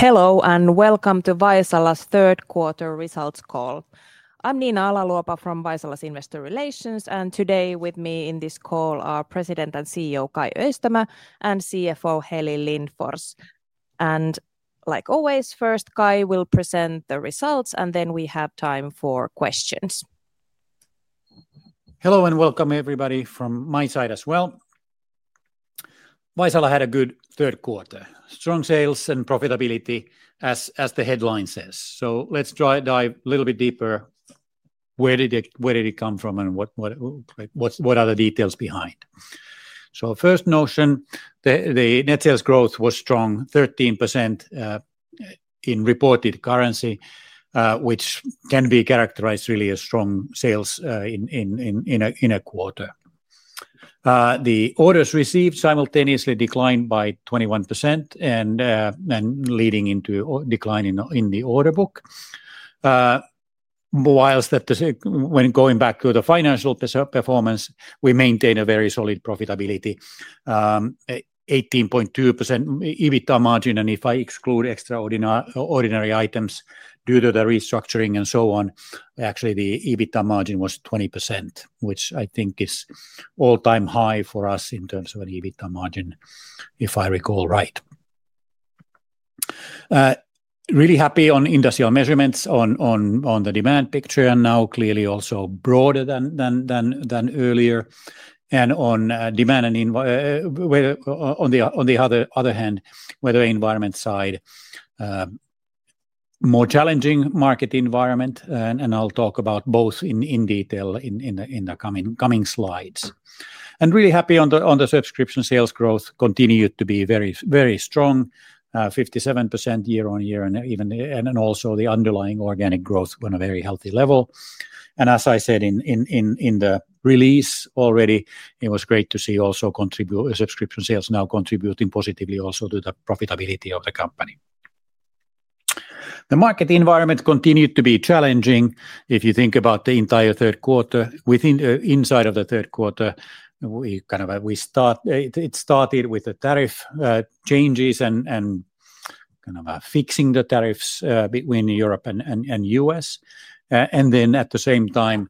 Hello and welcome to Vaisala's third quarter results call. I'm Niina Ala-Luopa from Vaisala's Investor Relations, and today with me in this call are President and CEO Kai Öistämö and CFO Heli Lindfors. Like always, first Kai will present the results, and then we have time for questions. Hello and welcome everybody from my side as well. Vaisala had a good third quarter, strong sales and profitability, as the headline says. Let's dive a little bit deeper. Where did it come from and what are the details behind? First notion, the net sales growth was strong, 13% in reported currency, which can be characterized really as strong sales in a quarter. The orders received simultaneously declined by 21%, leading into a decline in the order book. Whilst when going back to the financial performance, we maintained a very solid profitability, 18.2% EBITDA margin. If I exclude extraordinary items due to the restructuring and so on, actually the EBITDA margin was 20%, which I think is an all-time high for us in terms of an EBITDA margin, if I recall right. Really happy on industrial measurements on the demand picture and now clearly also broader than earlier. On the other hand, weather environment side, more challenging market environment, and I'll talk about both in detail in the coming slides. Really happy on the subscription sales growth continued to be very strong, 57% year-on-year, and also the underlying organic growth on a very healthy level. As I said in the release already, it was great to see also subscription sales now contributing positively also to the profitability of the company. The market environment continued to be challenging. If you think about the entire third quarter, inside of the third quarter, it started with the tariff changes and kind of fixing the tariffs between Europe and the U.S. At the same time,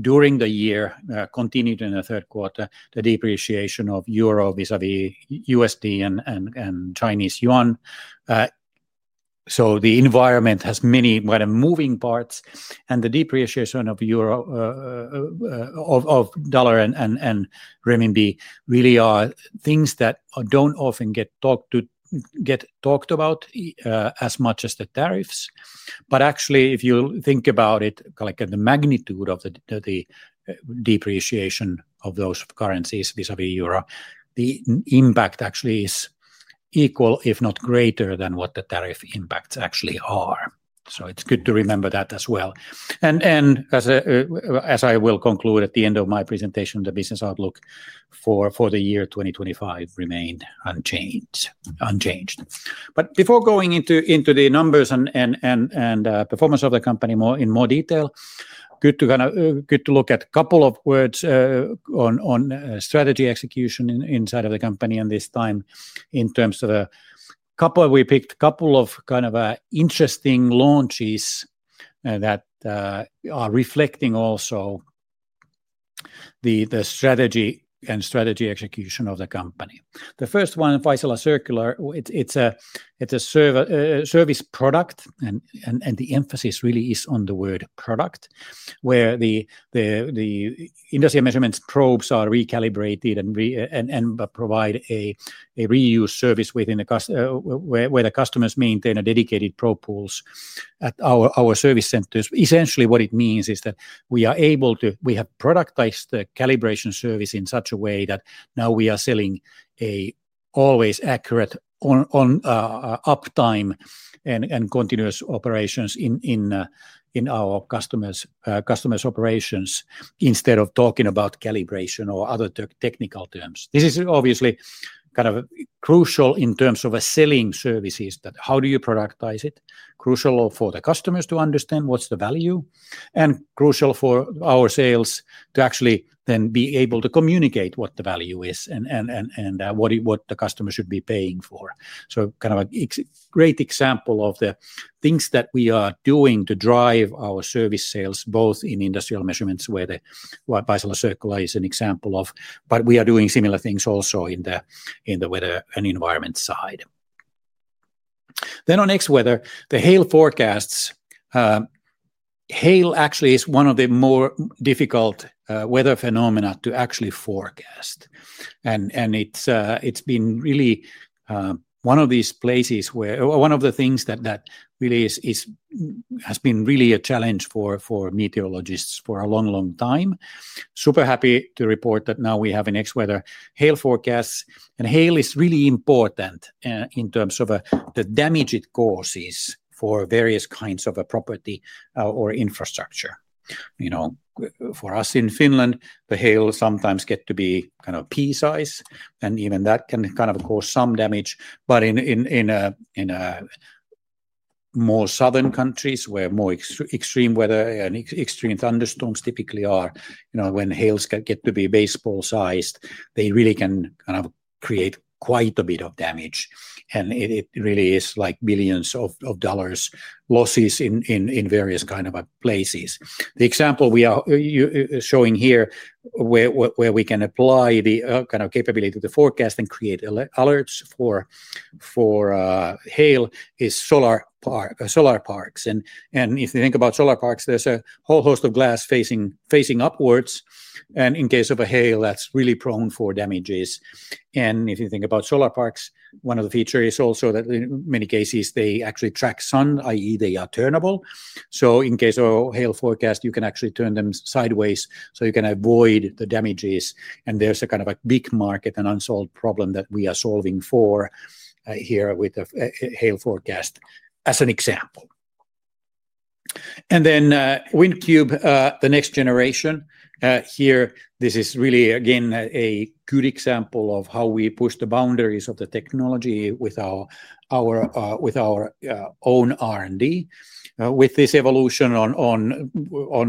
during the year, continued in the third quarter, the depreciation of euro, vis-à-vis USD and Chinese yuan. The environment has many moving parts, and the depreciation of dollar and renminbi really are things that don't often get talked about as much as the tariffs. Actually, if you think about it, like the magnitude of the depreciation of those currencies, vis-à-vis euro, the impact actually is equal, if not greater, than what the tariff impacts actually are. It's good to remember that as well. As I will conclude at the end of my presentation, the business outlook for the year 2025 remained unchanged. Before going into the numbers and performance of the company in more detail, good to kind of look at a couple of words on strategy execution inside of the company. This time, in terms of a couple, we picked a couple of kind of interesting launches that are reflecting also the strategy and strategy execution of the company. The first one, Vaisala Circular, it's a service product, and the emphasis really is on the word product, where the industrial measurements probes are recalibrated and provide a reuse service where the customers maintain a dedicated probe pool at our service centers. Essentially, what it means is that we are able to, we have productized the calibration service in such a way that now we are selling an always accurate uptime and continuous operations in our customers' operations instead of talking about calibration or other technical terms. This is obviously kind of crucial in terms of selling services, but how do you productize it? Crucial for the customers to understand what's the value, and crucial for our sales to actually then be able to communicate what the value is and what the customer should be paying for. Kind of a great example of the things that we are doing to drive our service sales, both in industrial measurements, where Vaisala Circular is an example of, but we are doing similar things also in the weather and environment side. Next, on Next Weather, the hail forecasts. Hail actually is one of the more difficult weather phenomena to actually forecast. It's been really one of these places where, or one of the things that really has been really a challenge for meteorologists for a long, long time. Super happy to report that now we have in Next weather hail forecasts, and hail is really important in terms of the damage it causes for various kinds of property or infrastructure. For us in Finland, the hail sometimes gets to be kind of pea size, and even that can kind of cause some damage. In more southern countries, where more extreme weather and extreme thunderstorms typically are, when hails get to be baseball sized, they really can kind of create quite a bit of damage. It really is like billions of dollars losses in various kinds of places. The example we are showing here, where we can apply the kind of capability to the forecast and create alerts for hail, is solar parks. If you think about solar parks, there's a whole host of glass facing upwards. In case of a hail, that's really prone for damages. If you think about solar parks, one of the features is also that in many cases, they actually track sun, i.e., they are turnable. In case of a hail forecast, you can actually turn them sideways, so you can avoid the damages. There's a kind of a big market and unsolved problem that we are solving for here with a hail forecast as an example. WindCube, the next generation, is really again a good example of how we push the boundaries of the technology with our own R&D. With this evolution on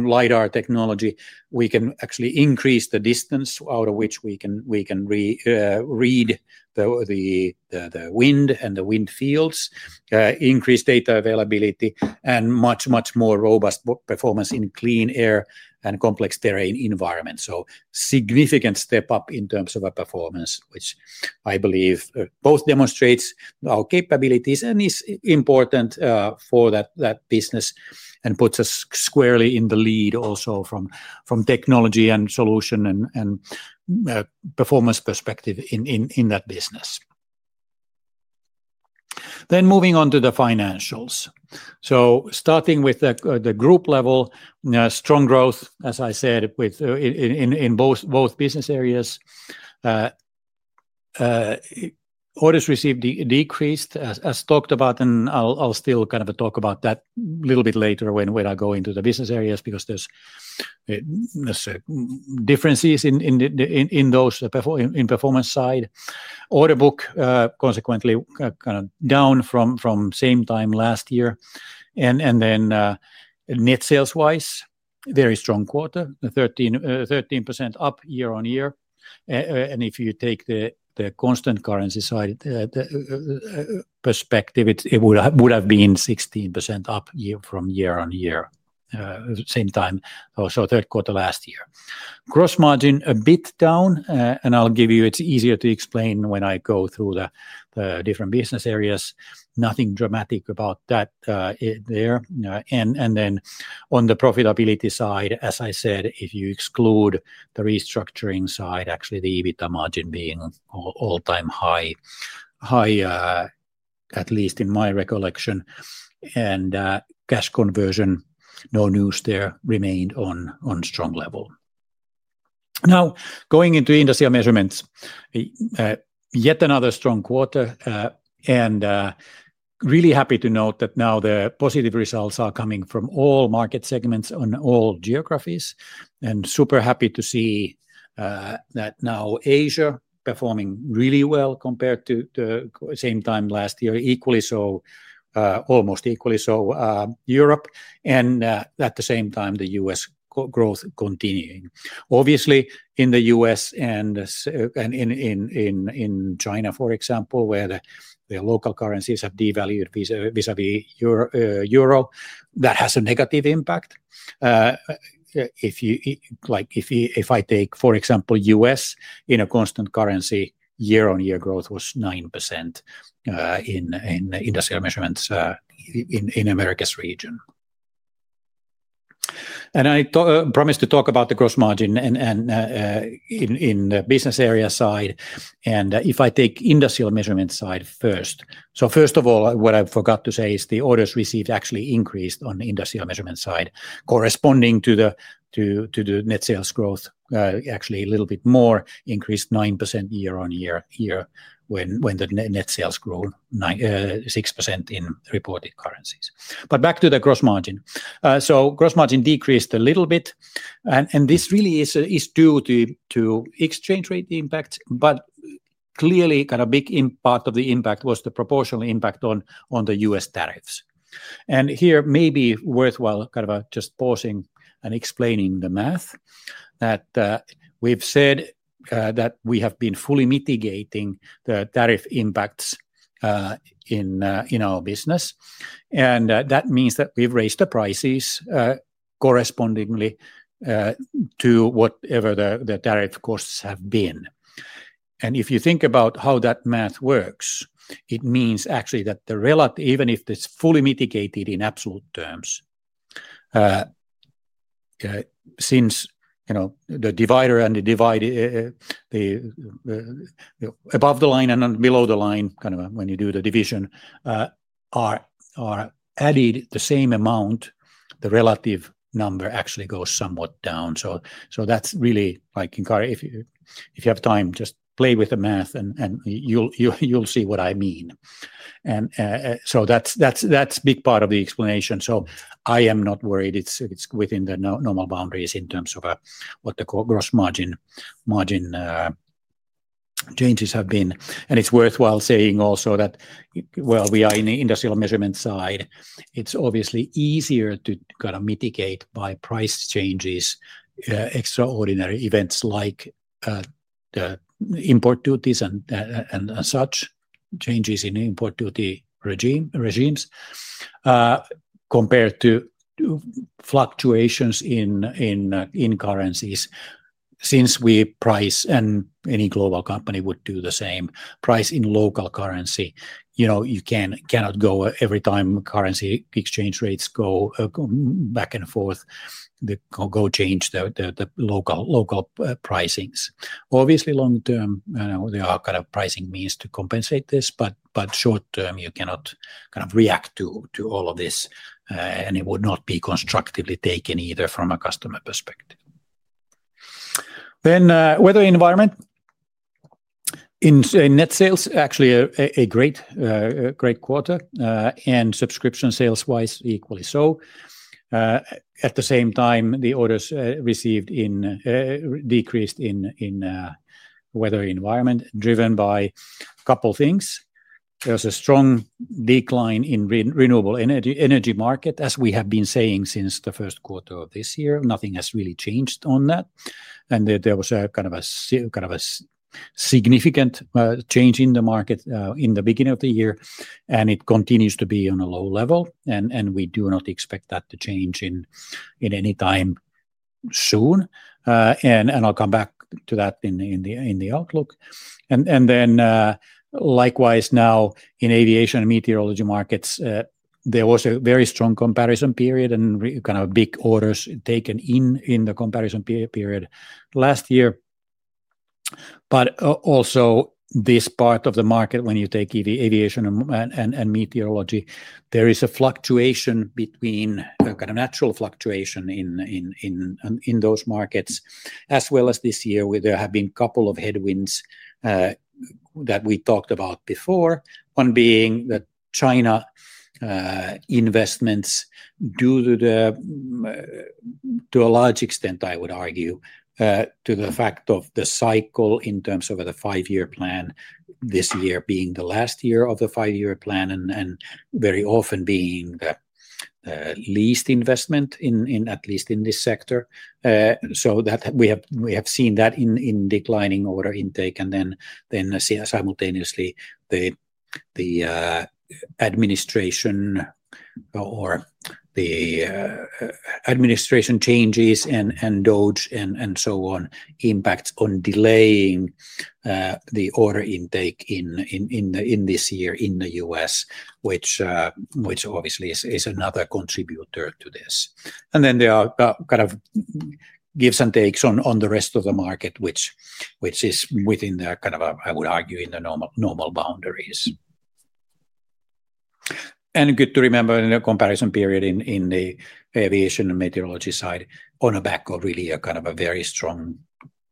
LiDAR technology, we can actually increase the distance out of which we can read the wind and the wind fields, increase data availability, and much, much more robust performance in clean air and complex terrain environments. A significant step up in terms of performance, which I believe both demonstrates our capabilities and is important for that business and puts us squarely in the lead also from technology and solution and performance perspective in that business. Moving on to the financials, starting with the group level, strong growth, as I said, in both business areas. Orders received decreased as talked about, and I'll still talk about that a little bit later when I go into the business areas because there's differences in those in the performance side. Order book consequently down from the same time last year. Net sales-wise, very strong quarter, 13% up year-on-year. If you take the constant currency side perspective, it would have been 16% up year from year-on-year, same time also third quarter last year. Gross margin a bit down, and I'll give you, it's easier to explain when I go through the different business areas. Nothing dramatic about that there. On the profitability side, as I said, if you exclude the restructuring side, actually the EBITDA margin being all-time high, at least in my recollection. Cash conversion, no news there, remained on a strong level. Now going into industrial measurements, yet another strong quarter. Really happy to note that now the positive results are coming from all market segments on all geographies. Super happy to see that now Asia performing really well compared to the same time last year. Equally so, almost equally so, Europe. At the same time, the U.S. growth continuing. Obviously, in the U.S. and in China, for example, where the local currencies have devalued vis-à-vis euro, that has a negative impact. If you, like if I take, for example, U.S. in a constant currency, year-on-year growth was 9% in industrial measurements in America's region. I promised to talk about the gross margin in the business area side. If I take industrial measurements side first, what I forgot to say is the orders received actually increased on the industrial measurement side, corresponding to the net sales growth, actually a little bit more, increased 9% year-on-year here when the net sales grew 6% in reported currencies. Back to the gross margin, gross margin decreased a little bit. This really is due to exchange rate impacts. Clearly, a big part of the impact was the proportional impact on the U.S. tariffs. Here it may be worthwhile just pausing and explaining the math that we've said that we have been fully mitigating the tariff impacts in our business. That means that we've raised the prices correspondingly to whatever the tariff costs have been. If you think about how that math works, it means actually that the relative, even if it's fully mitigated in absolute terms, since the divider and the above the line and below the line, when you do the division, are added the same amount, the relative number actually goes somewhat down. That is really like in, if you have time, just play with the math and you'll see what I mean. That's a big part of the explanation. I am not worried. It's within the normal boundaries in terms of what the gross margin changes have been. It's worthwhile saying also that we are in the industrial measurement side. It's obviously easier to mitigate by price changes, extraordinary events like the import duties and such changes in import duty regimes compared to fluctuations in currencies. Since we price, and any global company would do the same, price in local currency. You know, you cannot go every time currency exchange rates go back and forth, go change the local pricings. Obviously, long term, there are pricing means to compensate this, but short term, you cannot react to all of this. It would not be constructively taken either from a customer perspective. In weather environment in net sales, actually a great quarter, and subscription sales wise equally so. At the same time, the orders received decreased in weather environment driven by a couple of things. There's a strong decline in renewable energy market, as we have been saying since the first quarter of this year. Nothing has really changed on that. There was a kind of a significant change in the market in the beginning of the year. It continues to be on a low level. We do not expect that to change any time soon. I'll come back to that in the outlook. Likewise, now in aviation and meteorology markets, there was a very strong comparison period and kind of big orders taken in the comparison period last year. Also, this part of the market, when you take aviation and meteorology, there is a fluctuation between kind of natural fluctuation in those markets, as well as this year, where there have been a couple of headwinds that we talked about before. One being the China investments due to, to a large extent, I would argue, the fact of the cycle in terms of the five-year plan, this year being the last year of the five-year plan and very often being the least investment, at least in this sector. We have seen that in declining order intake. Simultaneously, the administration changes and DOGE and so on impacts on delaying the order intake this year in the U.S., which obviously is another contributor to this. There are kind of gives and takes on the rest of the market, which is within the kind of, I would argue, in the normal boundaries. Good to remember in the comparison period in the aviation and meteorology side on the back of really a kind of a very strong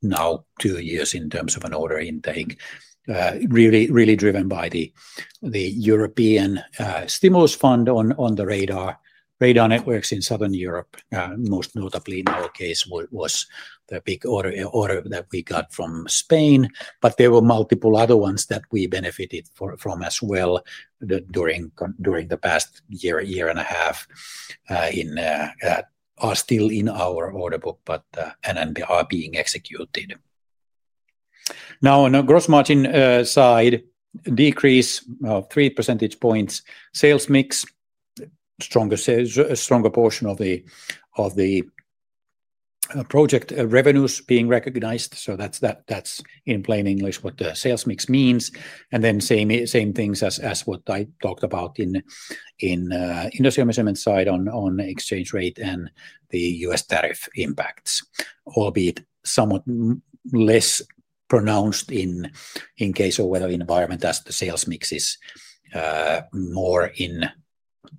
now two years in terms of an order intake, really driven by the European stimulus fund on the radar. Radar networks in Southern Europe, most notably in our case, was the big order that we got from Spain. There were multiple other ones that we benefited from as well during the past year, year and a half, are still in our order book, and then they are being executed. Now on the gross margin side, decrease of three percentage points, sales mix, stronger portion of the project revenues being recognized. That's in plain English what the sales mix means. Same things as what I talked about in the industrial measurement side on exchange rate and the U.S. tariff impacts, albeit somewhat less pronounced in case of weather environment as the sales mix is more in,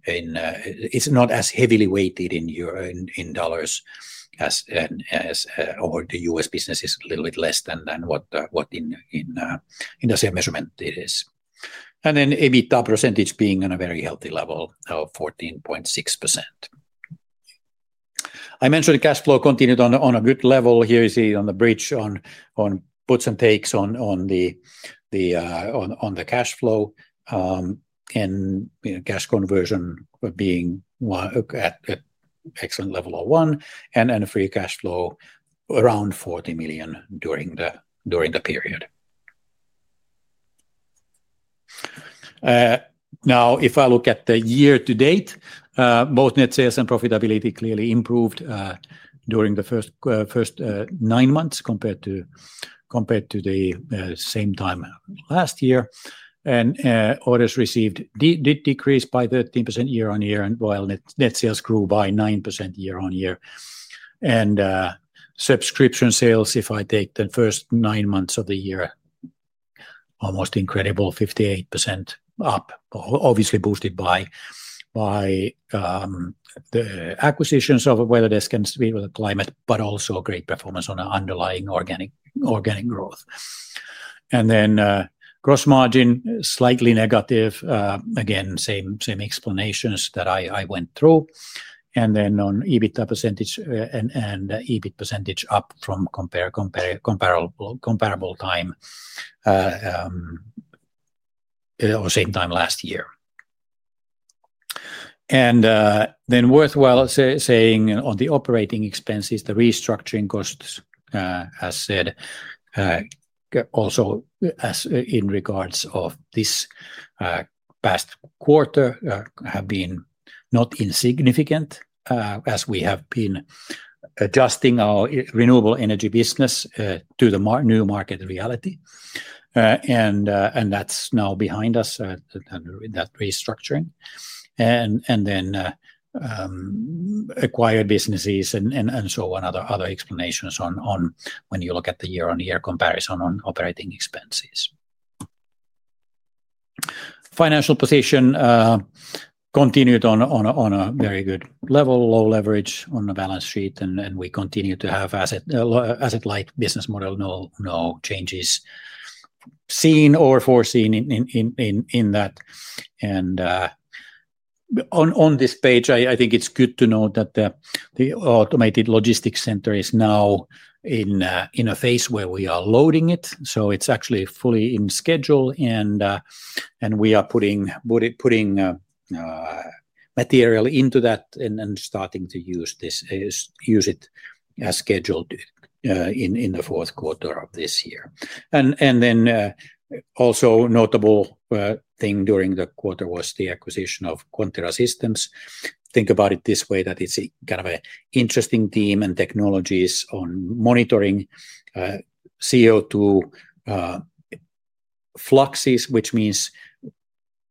it's not as heavily weighted in dollars as over the U.S. business is a little bit less than what in industrial measurement it is. EBITDA percentage being on a very healthy level of 14.6%. I mentioned the cash flow continued on a good level. Here you see it on the bridge on puts and takes on the cash flow. Cash conversion being at an excellent level of 1. Free cash flow around 40 million during the period. If I look at the year to date, both net sales and profitability clearly improved during the first nine months compared to the same time last year. Orders received did decrease by 13% year-on-year, while net sales grew by 9% year-on-year. Subscription sales, if I take the first nine months of the year, almost incredible 58% up, obviously boosted by the acquisitions of WeatherDesk and Speedwell Climate, but also great performance on the underlying organic growth. Gross margin slightly negative. Same explanations that I went through. On EBITDA percentage and EBIT percentage, up from comparable time or same time last year. Worthwhile saying on the operating expenses, the restructuring costs, as said, also in regards of this past quarter have been not insignificant as we have been adjusting our renewable energy business to the new market reality. That's now behind us, that restructuring. Acquired businesses and so on, other explanations on when you look at the year-on-year comparison on operating expenses. Financial position continued on a very good level, low leverage on the balance sheet. We continue to have asset-light business model, no changes seen or foreseen in that. On this page, I think it's good to note that the automated logistics center is now in a phase where we are loading it. It's actually fully in schedule. We are putting material into that and starting to use it as scheduled in the fourth quarter of this year. Also a notable thing during the quarter was the acquisition of Quantera Systems. Think about it this way, that it's kind of an interesting team and technologies on monitoring CO₂ fluxes, which means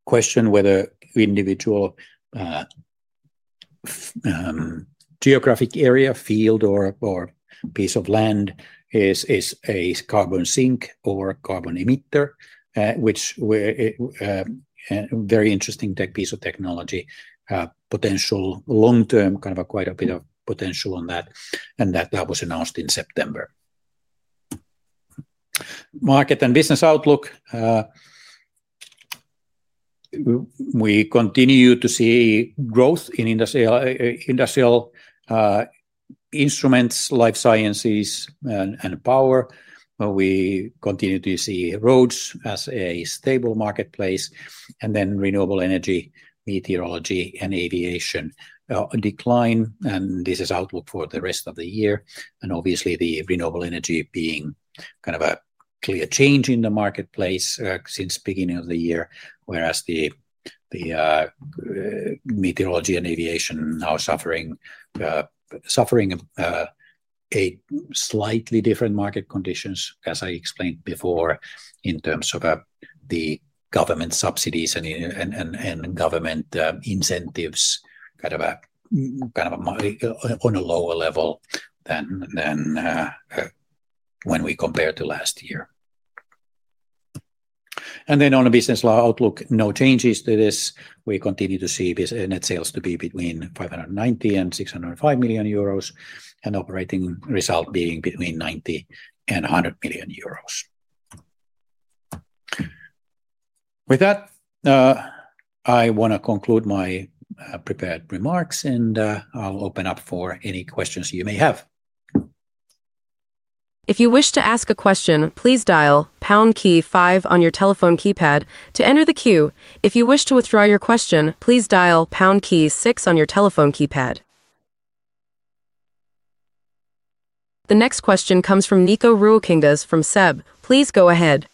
question whether individual geographic area, field, or piece of land is a carbon sink or carbon emitter, which is a very interesting piece of technology. Potential long-term, kind of quite a bit of potential on that. That was announced in September. Market and business outlook. We continue to see growth in industrial measurement instruments, life science measurement solutions, and power. We continue to see roads as a stable marketplace. Renewable energy measurement solutions, meteorology, and aviation decline. This is outlook for the rest of the year. Obviously, the renewable energy being kind of a clear change in the marketplace since the beginning of the year, whereas the meteorology and aviation are suffering slightly different market conditions, as I explained before, in terms of the government subsidies and government incentives, kind of on a lower level than when we compare to last year. On a business law outlook, no changes to this. We continue to see net sales to be between 590 million-605 million euros, and operating result being between 90 million-100 million euros. With that, I want to conclude my prepared remarks. I'll open up for any questions you may have. If you wish to ask a question, please dial pound key five on your telephone keypad to enter the queue. If you wish to withdraw your question, please dial pound key six on your telephone keypad. The next question comes from Nikko Ruokangas from SEB. Please go ahead.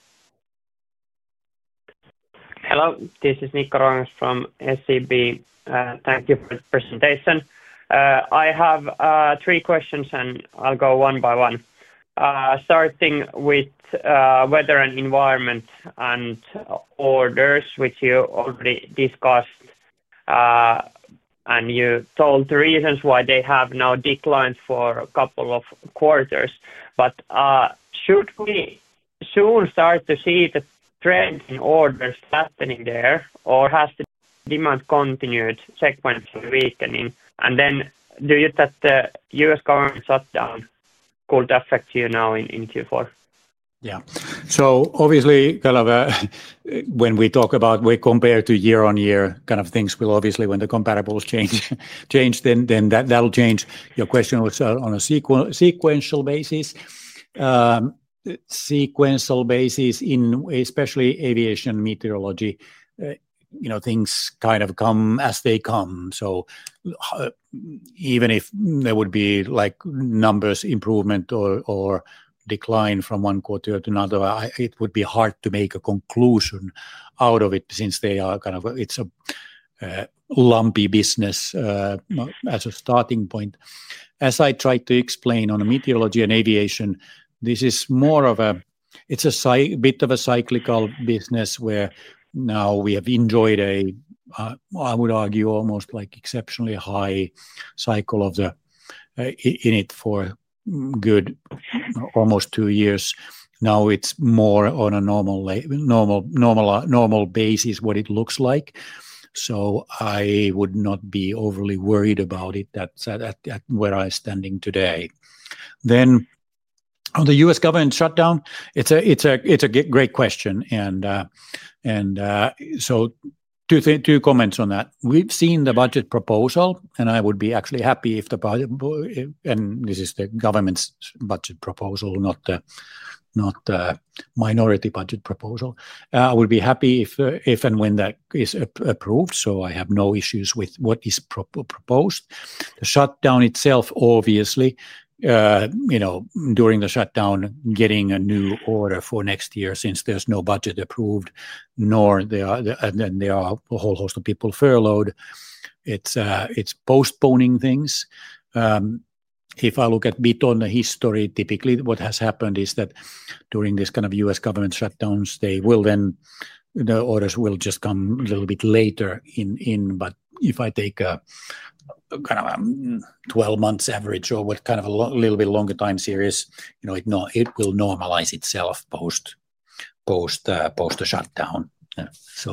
Hello, this is Nikko Ruokangas from SEB. Thank you for the presentation. I have three questions, and I'll go one by one. Starting with weather and environment and orders, which you already discussed, and you told the reasons why they have now declined for a couple of quarters. Should we soon start to see the trend in orders happening there, or has the demand continued sequentially weakening? Do you think that the U.S. government shutdown could affect you now in Q4? Yeah. Obviously, kind of when we talk about, we compare to year-on-year kind of things, we'll obviously, when the comparables change, then that'll change. Your question was on a sequential basis. Sequential basis in especially aviation meteorology, you know, things kind of come as they come. Even if there would be like numbers improvement or decline from one quarter to another, it would be hard to make a conclusion out of it since they are kind of, it's a lumpy business as a starting point. As I tried to explain on meteorology and aviation, this is more of a, it's a bit of a cyclical business where now we have enjoyed a, I would argue, almost like exceptionally high cycle of the in it for good almost two years. Now it's more on a normal basis what it looks like. I would not be overly worried about it at where I'm standing today. On the U.S. government shutdown, it's a great question. Two comments on that. We've seen the budget proposal, and I would be actually happy if the budget, and this is the government's budget proposal, not the minority budget proposal. I would be happy if and when that is approved, so I have no issues with what is proposed. The shutdown itself, obviously, you know, during the shutdown, getting a new order for next year since there's no budget approved, nor there are a whole host of people furloughed, it's postponing things. If I look at a bit on the history, typically what has happened is that during this kind of U.S. government shutdowns, they will then, the orders will just come a little bit later in. If I take a kind of a 12 months average or what kind of a little bit longer time series, you know, it will normalize itself post a shutdown. It's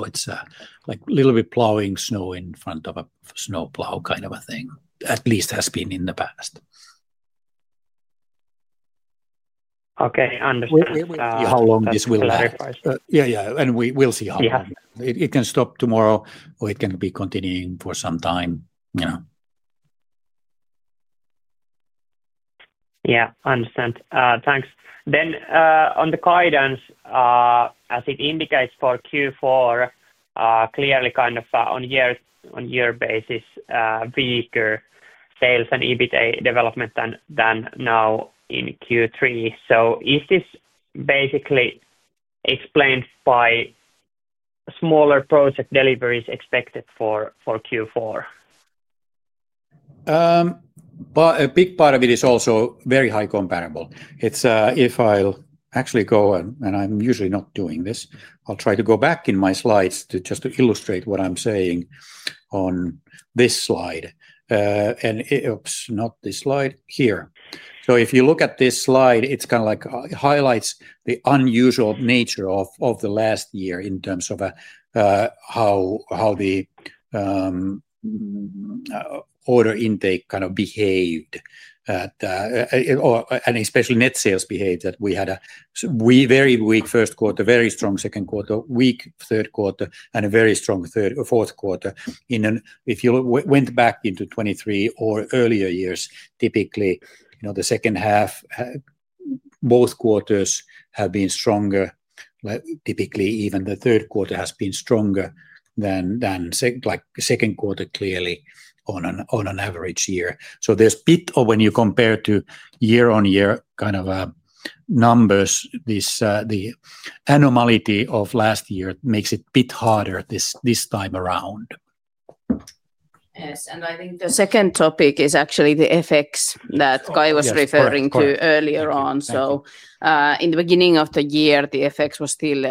like a little bit plowing snow in front of a snowplow kind of a thing, at least has been in the past. Okay, understood. How long this will last. Yeah, we'll see how long. It can stop tomorrow, or it can be continuing for some time. Yeah, understood. Thanks. On the guidance, as it indicates for Q4, clearly kind of on year-on-year basis, weaker sales and EBITDA development than now in Q3. Is this basically explained by smaller project deliveries expected for Q4? A big part of it is also very high comparable. If I'll actually go, and I'm usually not doing this, I'll try to go back in my slides just to illustrate what I'm saying on this slide. Oops, not this slide, here. If you look at this slide, it kind of like highlights the unusual nature of the last year in terms of how the order intake kind of behaved, and especially net sales behaved. We had a very weak first quarter, very strong second quarter, weak third quarter, and a very strong fourth quarter. If you went back into 2023 or earlier years, typically, you know, the second half, both quarters have been stronger. Typically, even the third quarter has been stronger than the second quarter clearly on an average year. There's a bit of, when you compare to year-on-year kind of numbers, the anomaly of last year makes it a bit harder this time around. Yes, I think the second topic is actually the effects that Kai was referring to earlier on. In the beginning of the year, the effects were still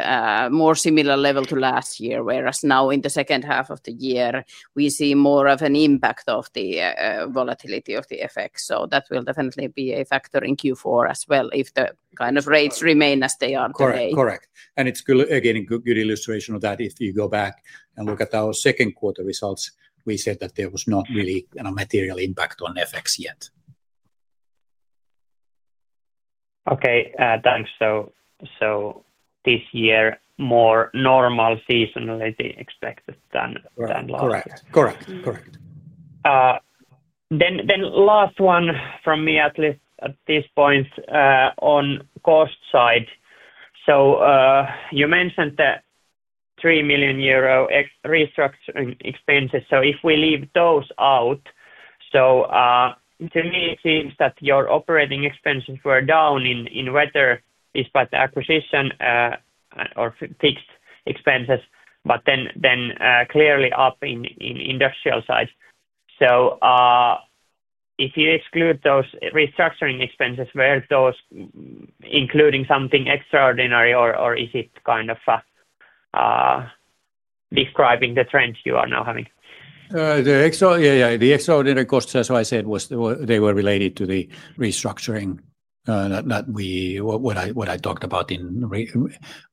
more similar level to last year, whereas now in the second half of the year, we see more of an impact of the volatility of the effects. That will definitely be a factor in Q4 as well if the kind of rates remain as they are today. Correct. It's again a good illustration of that. If you go back and look at our second quarter results, we said that there was not really a material impact on effects yet. Okay, thanks. This year, more normal seasonality expected than last year. Correct, correct. On the cost side, you mentioned the 3 million euro restructuring expenses. If we leave those out, it seems that your operating expenses were down in weather despite the acquisition or fixed expenses, but clearly up in industrial side. If you exclude those restructuring expenses, were those including something extraordinary, or is it kind of describing the trend you are now having? Yeah, the extraordinary costs, as I said, they were related to the restructuring that I talked about in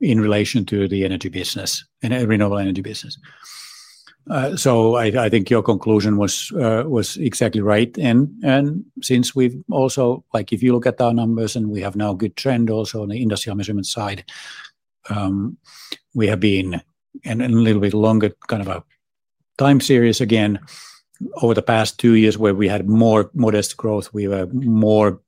relation to the energy business and renewable energy business. I think your conclusion was exactly right. If you look at our numbers and we have now a good trend also on the industrial measurement side, we have been in a little bit longer kind of a time series again over the past two years where we had more modest growth. We were more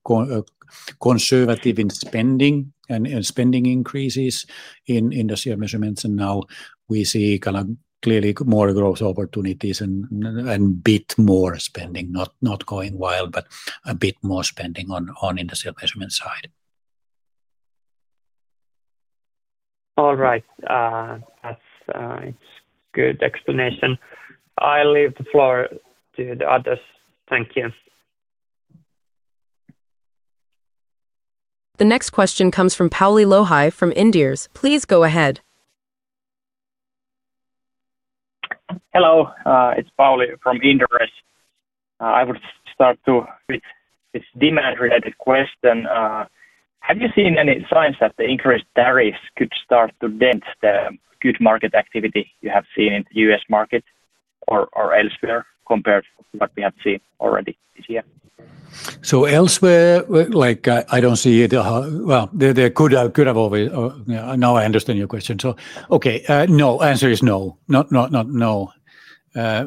conservative in spending and spending increases in industrial measurements. Now we see kind of clearly more growth opportunities and a bit more spending, not going wild, but a bit more spending on industrial measurement side. All right. That's a good explanation. I'll leave the floor to the others. Thank you. The next question comes from Pauli Lohi from Inderes. Please go ahead. Hello, it's Pauli from Inderes. I would start with this demand-related question. Have you seen any signs that the increased tariffs could start to dent the good market activity you have seen in the U.S. market or elsewhere compared to what we have seen already this year? I don't see it. I understand your question. No, the answer is no.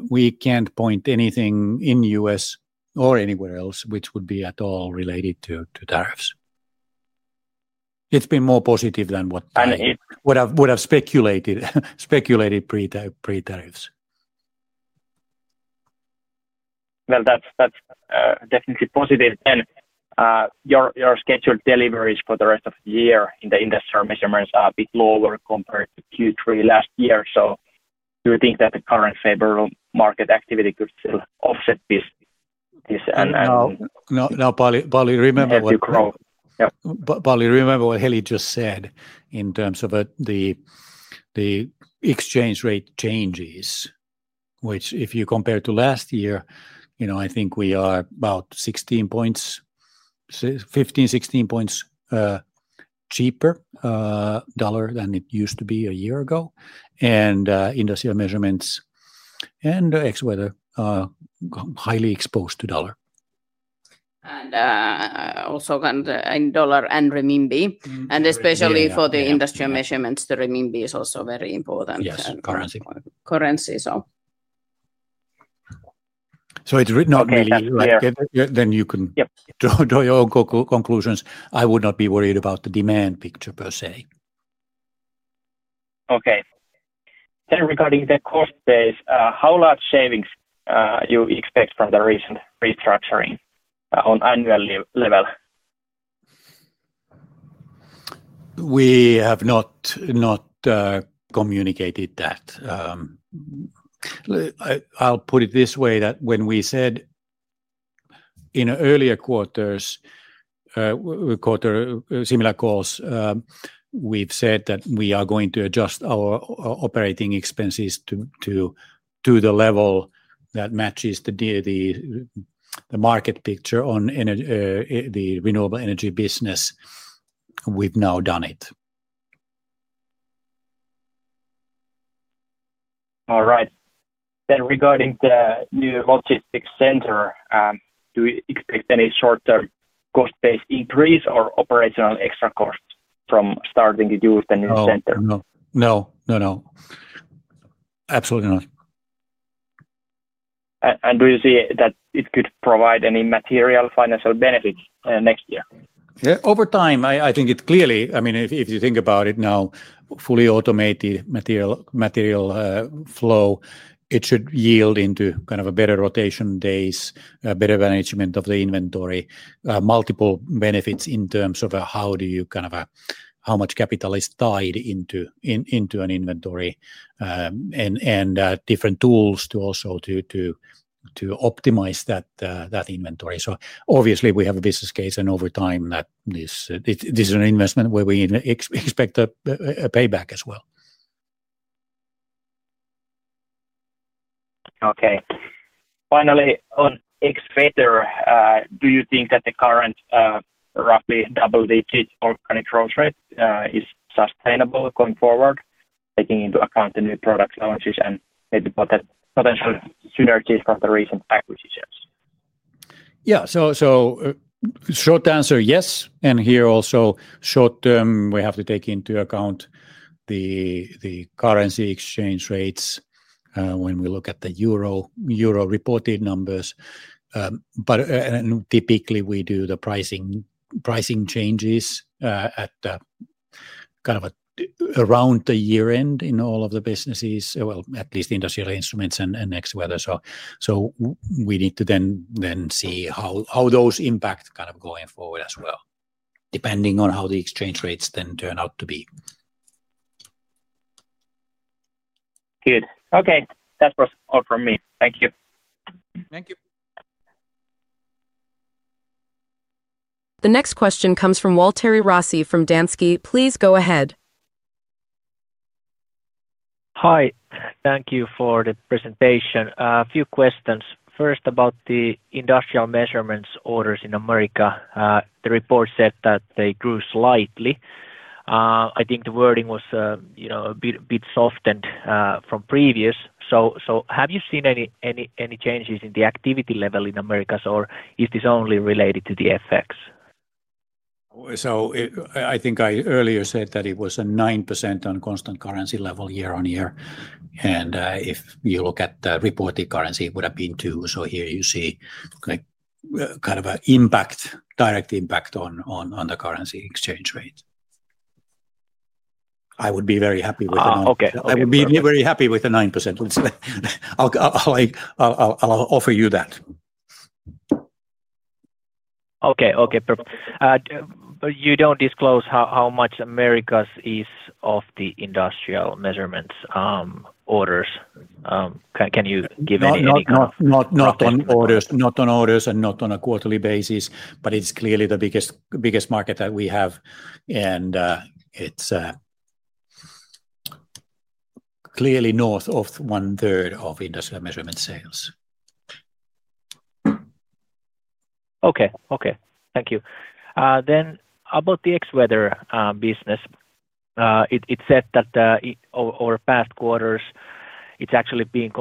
We can't point to anything in the U.S. or anywhere else which would be at all related to tariffs. It's been more positive than what I would have speculated pre-tariffs. Your scheduled deliveries for the rest of the year in the industrial measurements are a bit lower compared to Q3 last year. Do you think that the current favorable market activity could still offset this? Now, Pauli, remember what Heli just said in terms of the exchange rate changes, which, if you compare to last year, I think we are about 15, 16 points cheaper dollar than it used to be a year ago. Industrial measurements and ex-weather are highly exposed to dollar. Also in dollar and renminbi, especially for the industrial measurements, the renminbi is also very important. Yes, currency. Currency, so. It is written out really. You can draw your own conclusions. I would not be worried about the demand picture per se. Okay. Regarding the cost base, how large savings do you expect from the recent restructuring on annual level? We have not communicated that. I'll put it this way: when we said in earlier quarters, similar calls, we've said that we are going to adjust our operating expenses to the level that matches the market picture on the renewable energy business. We've now done it. Regarding the new logistics center, do you expect any short-term cost-based increase or operational extra costs from starting to use the new center? Absolutely not. Do you see that it could provide any material financial benefits next year? Over time, I think it clearly, I mean, if you think about it now, fully automated material flow, it should yield into kind of a better rotation days, better management of the inventory, multiple benefits in terms of how do you kind of how much capital is tied into an inventory, and different tools to also optimize that inventory. Obviously, we have a business case and over time that this is an investment where we expect a payback as well. Okay. Finally, on ex-weather, do you think that the current roughly double-digit organic growth rate is sustainable going forward, taking into account the new product launches and maybe potential synergies from the recent acquisitions? Yes. Here also, short term, we have to take into account the currency exchange rates when we look at the euro reported numbers. Typically, we do the pricing changes at kind of around the year end in all of the businesses, at least industrial measurement instruments and ex-weather. We need to then see how those impact going forward as well, depending on how the exchange rates then turn out to be. Good. Okay, that's all from me. Thank you. Thank you. The next question comes from Waltteri Rossi from Danske. Please go ahead. Hi. Thank you for the presentation. A few questions. First, about the industrial measurement orders in America. The report said that they grew slightly. I think the wording was a bit softened from previous. Have you seen any changes in the activity level in America, or is this only related to the effects? I think I earlier said that it was a 9% on constant currency level year-on-year. If you look at the reported currency, it would have been 2%. Here you see kind of an impact, direct impact on the currency exchange rate. I would be very happy with a 9%. I would be very happy with a 9%. I'll offer you that. Okay, perfect. You don't disclose how much America is off the industrial measurements orders. Can you give any? Not on orders and not on a quarterly basis, but it's clearly the biggest market that we have. It's clearly north of 1/3 of industrial measurement sales. Okay, thank you. About the ex-weather business, it said that over past quarters, it's actually been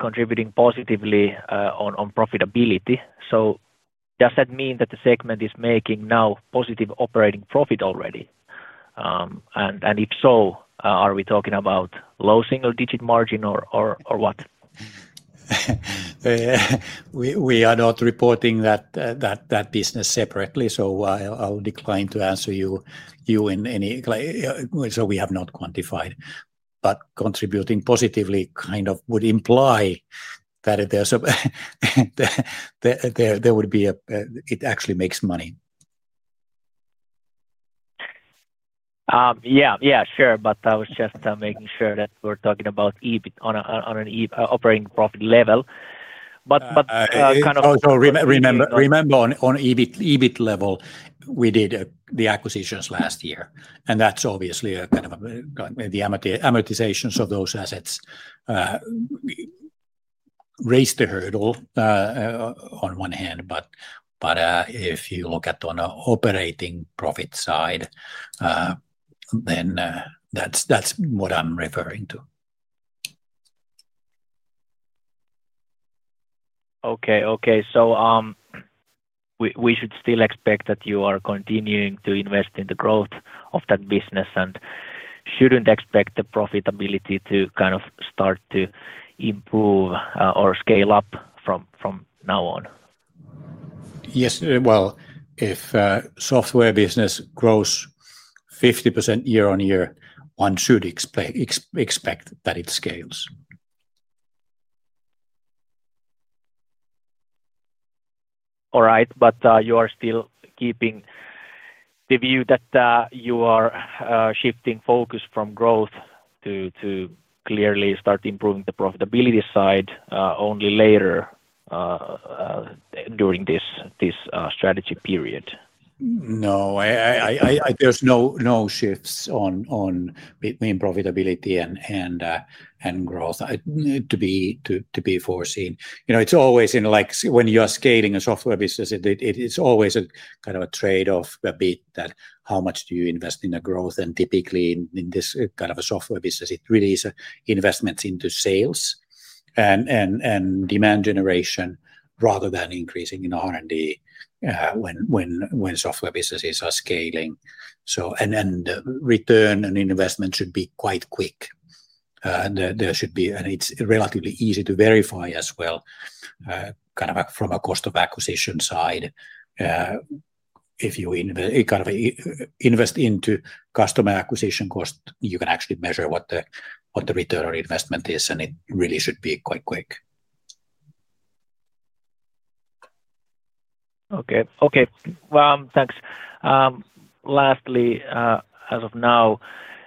contributing positively on profitability. Does that mean that the segment is making now positive operating profit already? If so, are we talking about low single-digit margin or what? We are not reporting that business separately. I'll decline to answer you in any, we have not quantified. Contributing positively kind of would imply that it actually makes money. Yeah, sure. I was just making sure that we're talking about EBIT on an operating profit level. Remember, on EBIT level, we did the acquisitions last year. That's obviously a kind of the amortizations of those assets raised the hurdle on one hand. If you look at on an operating profit side, then that's what I'm referring to. Okay. We should still expect that you are continuing to invest in the growth of that business and shouldn't expect the profitability to kind of start to improve or scale up from now on. Yes. If software business grows 50% year-on-year, one should expect that it scales. All right. You are still keeping the view that you are shifting focus from growth to clearly start improving the profitability side only later during this strategy period. No, there's no shifts on between profitability and growth to be foreseen. You know, it's always in like when you're scaling a software business, it's always a kind of a trade-off a bit that how much do you invest in the growth. Typically in this kind of a software business, it really is investments into sales and demand generation rather than increasing in R&D when software businesses are scaling. The return on investment should be quite quick. There should be, and it's relatively easy to verify as well, kind of from a cost of acquisition side. If you kind of invest into customer acquisition cost, you can actually measure what the return on investment is, and it really should be quite quick. Okay. Thanks. Lastly, as of now,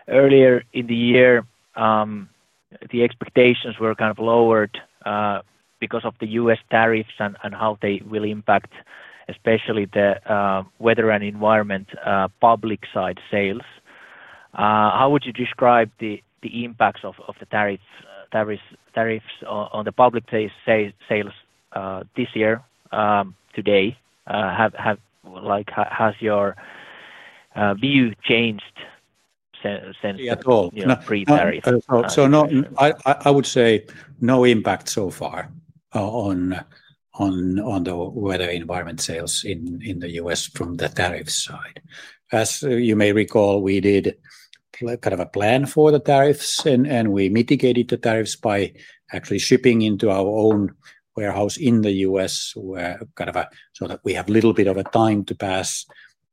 earlier in the year, the expectations were kind of lowered because of the U.S. tariffs and how they will impact, especially the weather and environment public side sales. How would you describe the impacts of the tariffs on the public sales this year? Today, has your view changed since the pre-tariff? I would say no impact so far on the weather environment sales in the U.S. from the tariff side. As you may recall, we did kind of a plan for the tariffs, and we mitigated the tariffs by actually shipping into our own warehouse in the U.S., so that we have a little bit of time to pass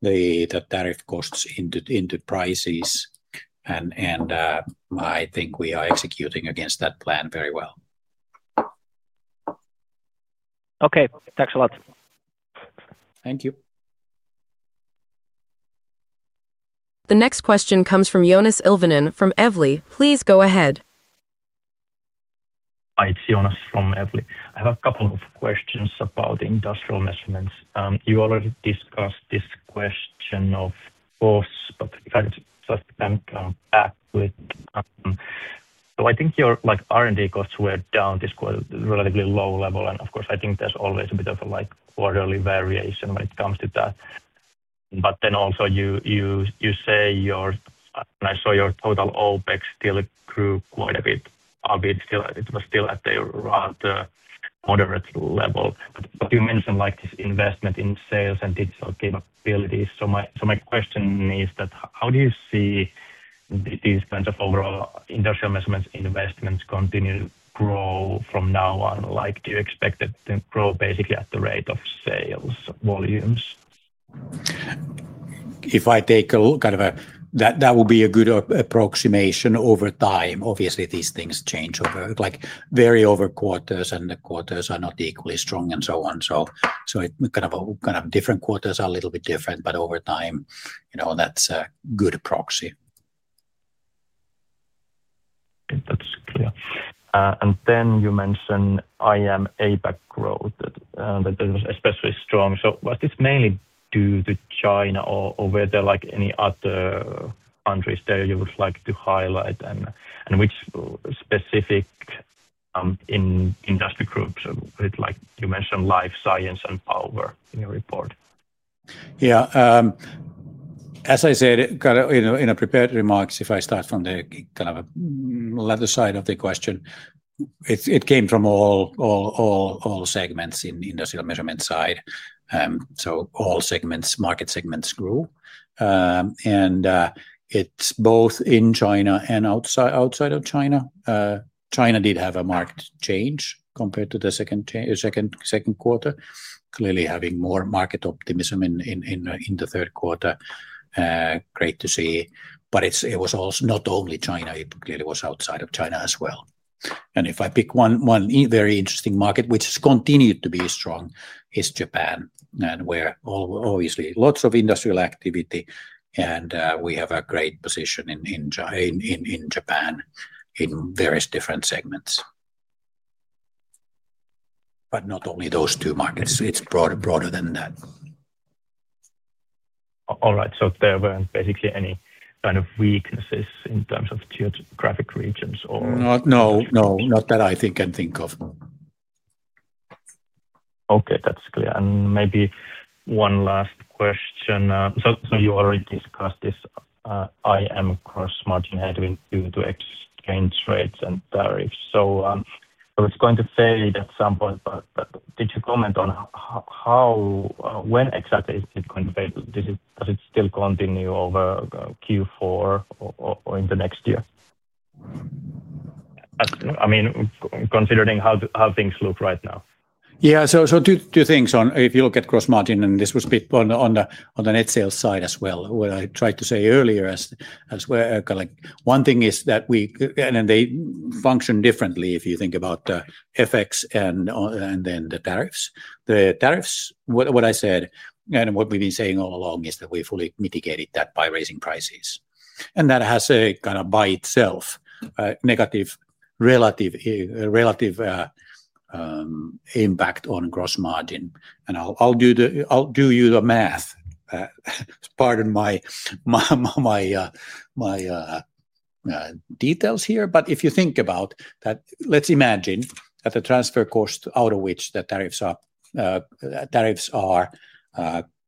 the tariff costs into prices. I think we are executing against that plan very well. Okay, thanks a lot. Thank you. The next question comes from Joonas Ilvonen from Evli. Please go ahead. Hi, it's Joonas from Evli. I have a couple of questions about industrial measurements. You already discussed this question of costs. I think your R&D costs were down to a relatively low level. Of course, I think there's always a bit of a quarterly variation when it comes to that. I saw your total OpEx still grew quite a bit. It was still at a rather moderate level. You mentioned this investment in sales and digital capabilities. My question is that how do you see these kinds of overall industrial measurements investments continue to grow from now on? Do you expect it to grow basically at the rate of sales volumes? If I take a kind of a, that would be a good approximation over time. Obviously, these things change over quarters, and the quarters are not equally strong and so on. Different quarters are a little bit different, but over time, you know that's a good proxy. That's clear. You mentioned IM APAC growth that was especially strong. Was this mainly due to China, or were there any other countries you would like to highlight? Which specific industry groups? You mentioned life science and power in your report. Yeah. As I said in the prepared remarks, if I start from the kind of the latter side of the question, it came from all segments in the industrial measurement side. All market segments grew, and it's both in China and outside of China. China did have a market change compared to the second quarter, clearly having more market optimism in the third quarter. Great to see. It was not only China, it clearly was outside of China as well. If I pick one very interesting market, which has continued to be strong, it is Japan, where obviously lots of industrial activity. We have a great position in Japan in various different segments. Not only those two markets, it's broader than that. All right. There weren't basically any kind of weaknesses in terms of geographic regions or? No, not that I can think of. Okay, that's clear. Maybe one last question. You already discussed this IM cross-margin headwind due to exchange rates and tariffs. I was going to say that at some point, but did you comment on how, when exactly is it going to pay? Does it still continue over Q4 or in the next year? I mean, considering how things look right now. Yeah, so two things. If you look at gross margin, and this was a bit on the net sales side as well, what I tried to say earlier as well. One thing is that we, and they function differently if you think about the FX and then the tariffs. The tariffs, what I said, and what we've been saying all along is that we fully mitigated that by raising prices. That has a kind of by itself a negative relative impact on gross margin. I'll do you the math. Pardon my details here. If you think about that, let's imagine that the transfer cost out of which the tariffs are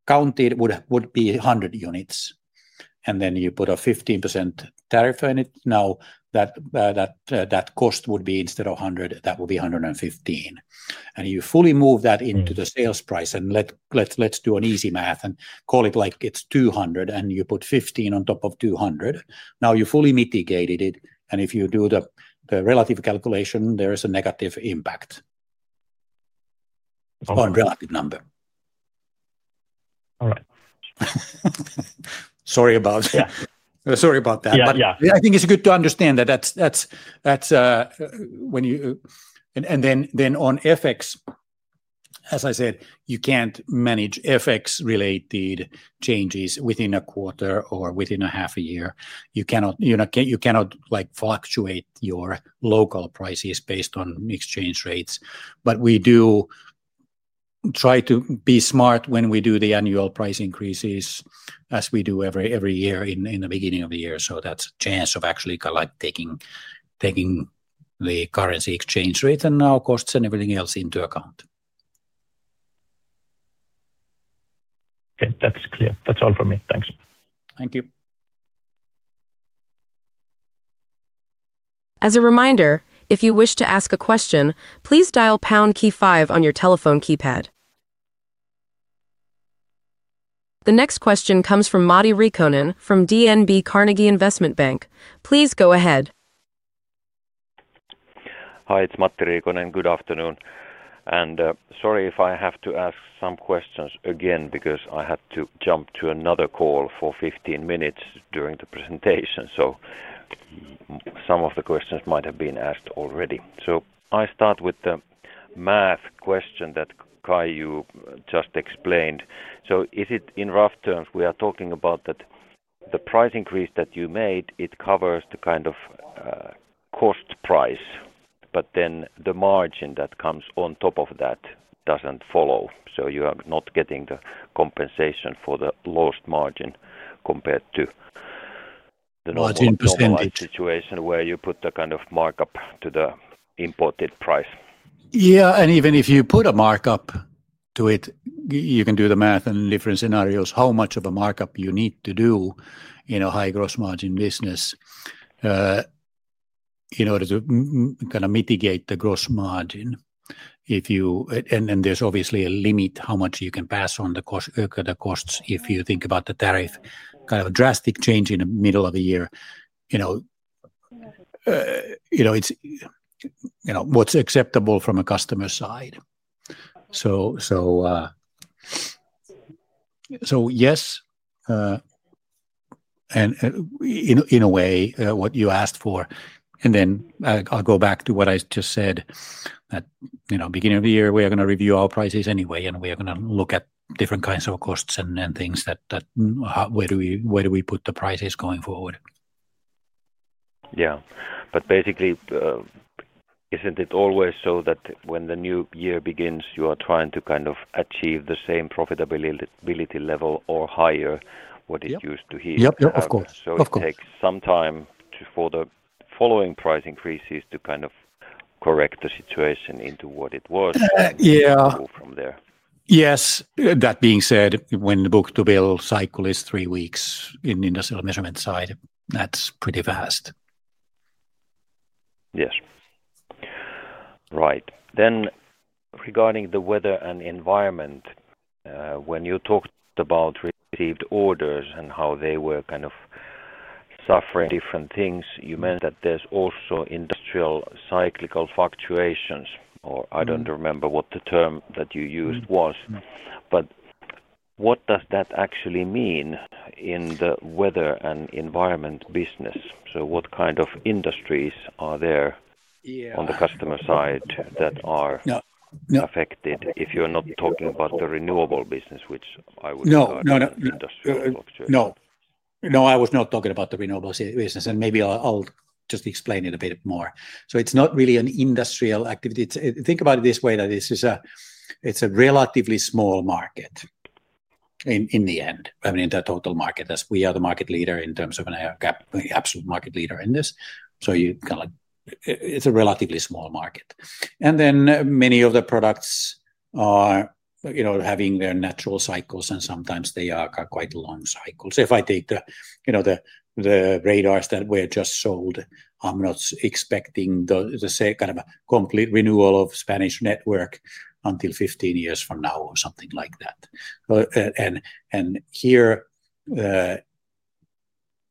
counted would be 100 units. Then you put a 15% tariff on it. Now that cost would be instead of 100, that would be 115. You fully move that into the sales price. Let's do an easy math and call it like it's 200. You put 15 on top of 200. Now you fully mitigated it. If you do the relative calculation, there is a negative impact on relative number. All right. I think it's good to understand that that's when you, and then on FX, as I said, you can't manage FX-related changes within a quarter or within a half a year. You cannot fluctuate your local prices based on exchange rates. We do try to be smart when we do the annual price increases as we do every year in the beginning of the year. That's a chance of actually taking the currency exchange rate and costs and everything else into account. Okay, that's clear. That's all for me. Thanks. Thank you. As a reminder, if you wish to ask a question, please dial pound key five on your telephone keypad. The next question comes from Matti Riikonen from DNB Carnegie Investment Bank. Please go ahead. Hi, it's Matti Riikonen. Good afternoon. Sorry if I have to ask some questions again because I had to jump to another call for 15 minutes during the presentation. Some of the questions might have been asked already. I start with the math question that Kai, you just explained. Is it in rough terms we are talking about that the price increase that you made, it covers the kind of cost price, but then the margin that comes on top of that doesn't follow? You are not getting the compensation for the lowest margin compared to the margin percentage situation where you put the kind of markup to the imported price. Yeah, and even if you put a markup to it, you can do the math in different scenarios, how much of a markup you need to do in a high gross margin business in order to kind of mitigate the gross margin. There's obviously a limit how much you can pass on the costs if you think about the tariff, kind of a drastic change in the middle of the year. It's what's acceptable from a customer side. Yes, in a way, what you asked for. I'll go back to what I just said, that at the beginning of the year, we are going to review our prices anyway, and we are going to look at different kinds of costs and things, where do we put the prices going forward. Yeah, basically, isn't it always so that when the new year begins, you are trying to kind of achieve the same profitability level or higher what it used to be? Yep, yep, of course. It takes some time for the following price increases to kind of correct the situation into what it was and move from there. Yes. That being said, when the book-to-bill cycle is three weeks in the industrial measurement side, that's pretty fast. Yes. Right. Regarding the weather and environment, when you talked about received orders and how they were kind of suffering different things, you meant that there's also industrial cyclical fluctuations, or I don't remember what the term that you used was. What does that actually mean in the weather and environment business? What kind of industries are there on the customer side that are affected if you're not talking about the renewable business, which I would call an industrial fluctuation? No, no, no, I was not talking about the renewable business. Maybe I'll just explain it a bit more. It's not really an industrial activity. Think about it this way, that it's a relatively small market in the end, I mean, in the total market as we are the market leader in terms of an absolute market leader in this. It's a relatively small market. Many of the products are having their natural cycles, and sometimes they are quite long cycles. If I take the radars that were just sold, I'm not expecting the kind of a complete renewal of Spanish network until 15 years from now or something like that. Here,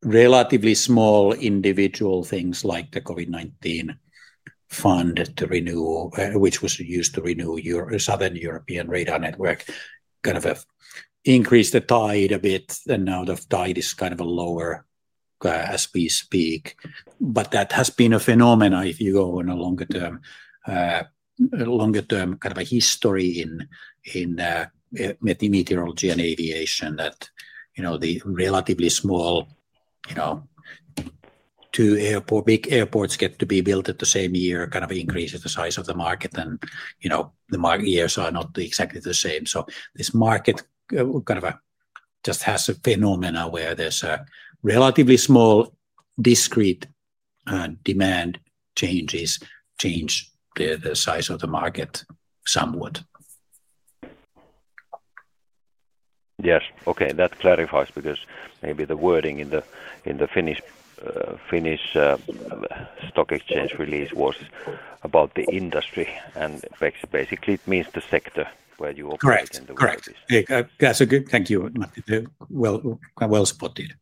relatively small individual things like the COVID-19 fund to renew, which was used to renew Southern European radar network, kind of increased the tide a bit. Now the tide is kind of lower as we speak. That has been a phenomenon if you go on a longer term, a longer term kind of a history in meteorology and aviation that the relatively small, two big airports get to be built at the same year, kind of increases the size of the market. The market years are not exactly the same. This market just has a phenomenon where there's a relatively small discrete demand changes change the size of the market somewhat. Yes. Okay, that clarifies because maybe the wording in the Finnish stock exchange release was about the industry. Basically, it means the sector where you operate and the word is. Right. Thank you. Well supported.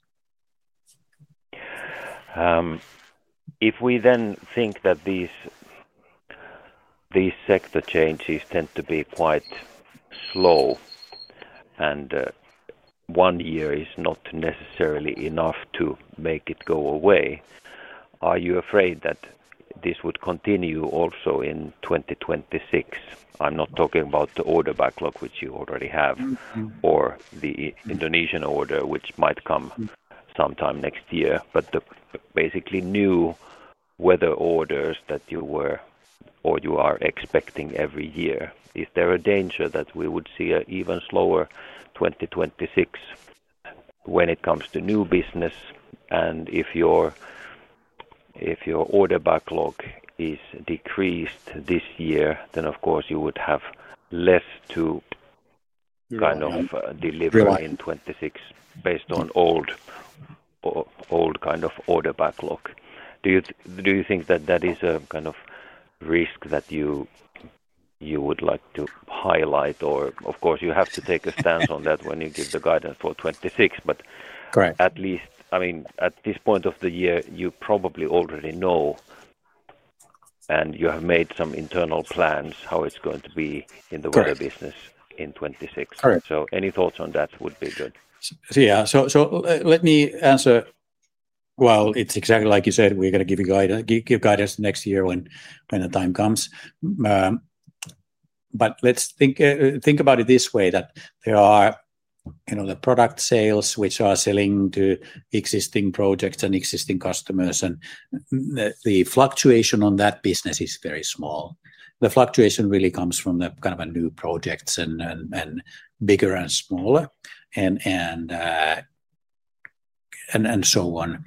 If we then think that these sector changes tend to be quite slow and one year is not necessarily enough to make it go away, are you afraid that this would continue also in 2026? I'm not talking about the order backlog which you already have or the Indonesian order which might come sometime next year, but basically the new weather orders that you were or you are expecting every year. Is there a danger that we would see an even slower 2026 when it comes to new business? If your order backlog is decreased this year, then of course you would have less to kind of deliver in 2026 based on old kind of order backlog. Do you think that that is a kind of risk that you would like to highlight? Of course, you have to take a stance on that when you give the guidance for 2026. At least, I mean, at this point of the year, you probably already know and you have made some internal plans how it's going to be in the weather business in 2026. Any thoughts on that would be good. Yeah, let me answer. It's exactly like you said, we're going to give you guidance next year when the time comes. Let's think about it this way: there are the product sales which are selling to existing projects and existing customers, and the fluctuation on that business is very small. The fluctuation really comes from the kind of new projects and bigger and smaller and so on.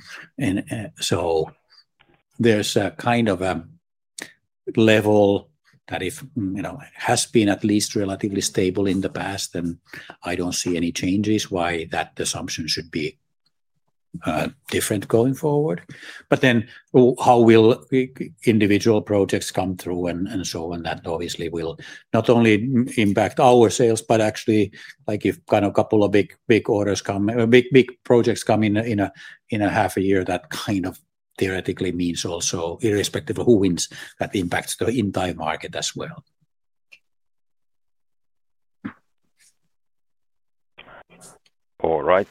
There's a kind of a level that, if, you know, has been at least relatively stable in the past, then I don't see any changes why that assumption should be different going forward. How individual projects come through and so on, that obviously will not only impact our sales, but actually if kind of a couple of big big orders come, big big projects come in a half a year, that kind of theoretically means also irrespective of who wins, that impacts the entire market as well. All right,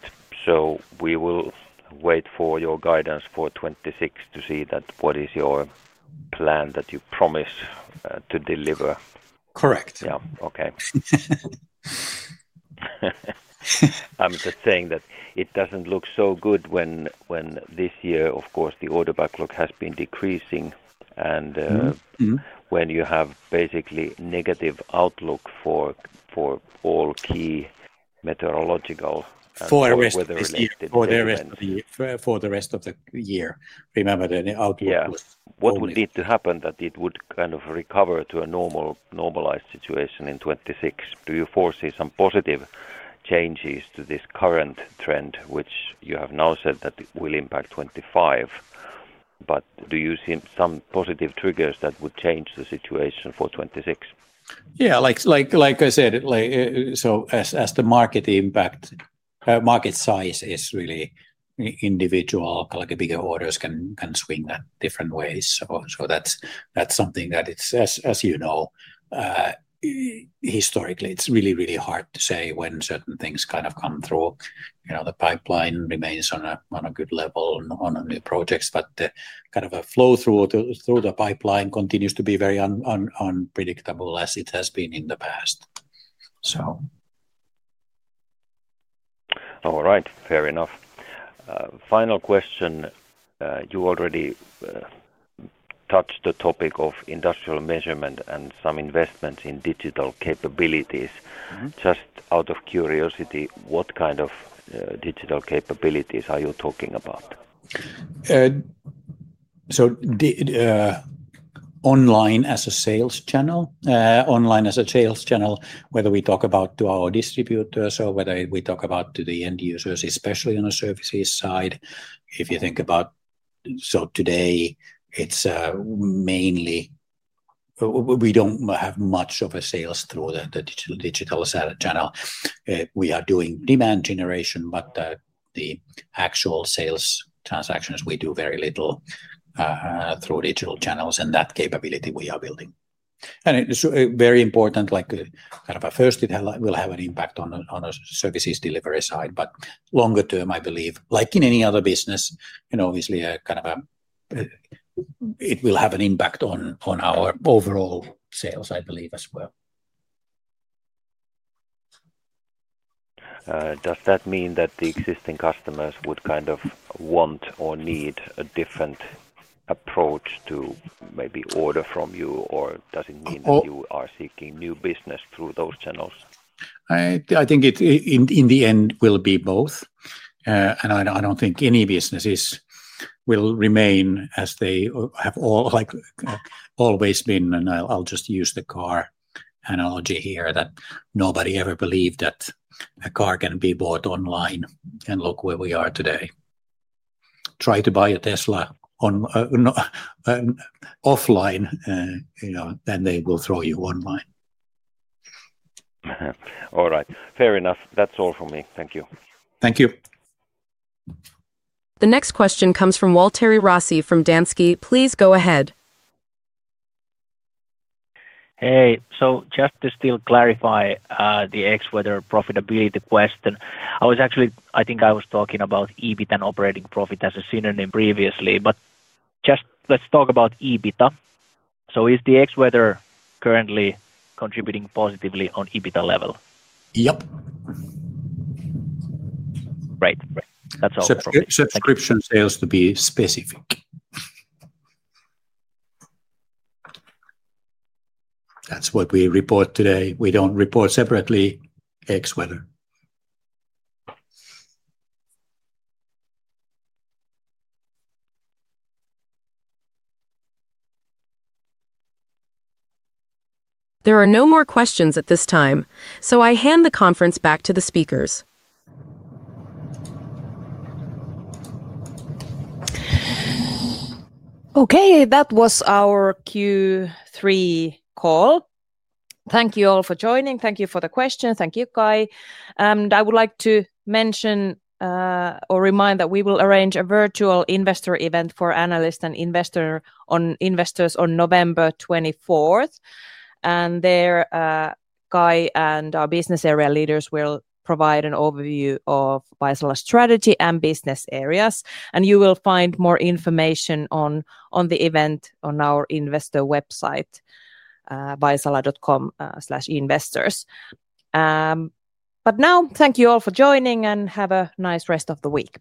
we will wait for your guidance for 2026 to see what is your plan that you promise to deliver. Correct. Okay. I'm just saying that it doesn't look so good when this year, of course, the order book has been decreasing, and you have basically a negative outlook for all key meteorological and weather-related events. For the rest of the year, remember the outlook was. What would need to happen that it would kind of recover to a normal normalized situation in 2026? Do you foresee some positive changes to this current trend, which you have now said that will impact 2025? Do you see some positive triggers that would change the situation for 2026? Like I said, as the market impact, market size is really individual, bigger orders can swing in different ways. That's something that, as you know, historically, it's really, really hard to say when certain things kind of come through. The pipeline remains on a good level on new projects, but the kind of flow through the pipeline continues to be very unpredictable as it has been in the past. All right, fair enough. Final question. You already touched the topic of industrial measurement and some investments in digital capabilities. Just out of curiosity, what kind of digital capabilities are you talking about? Online as a sales channel, whether we talk about to our distributors or whether we talk about to the end users, especially on the services side. If you think about, today, it's mainly we don't have much of a sales through the digital channel. We are doing demand generation, but the actual sales transactions, we do very little through digital channels. That capability we are building. It's very important, like kind of a first, it will have an impact on the services delivery side. Longer term, I believe, like in any other business, obviously it will have an impact on our overall sales, I believe, as well. Does that mean that the existing customers would kind of want or need a different approach to maybe order from you, or does it mean that you are seeking new business through those channels? I think it, in the end, will be both. I don't think any businesses will remain as they have all like always been. I'll just use the car analogy here that nobody ever believed that a car can be bought online, and look where we are today. Try to buy a Tesla offline, you know, they will throw you online. All right, fair enough. That's all for me. Thank you. Thank you. The next question comes from Waltteri Rossi from Danske. Please go ahead. Just to clarify the ex-weather profitability question, I think I was talking about EBITDA and operating profit as a synonym previously. Let's talk about EBITDA. Is the ex-weather currently contributing positively on EBITDA level? Yep. Great. That's all. Subscription sales, to be specific, that's what we report today. We don't report separately ex-weather. There are no more questions at this time, so I hand the conference back to the speakers. Okay, that was our Q3 call. Thank you all for joining. Thank you for the questions. Thank you, Kai. I would like to mention or remind that we will arrange a virtual investor event for analysts and investors on November 24th. There, Kai and our business area leaders will provide an overview of Vaisala's strategy and business areas. You will find more information on the event on our investor website, vaisala.com/investors. Thank you all for joining and have a nice rest of the week.